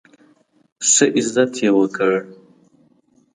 ښه عزت یې وکړ.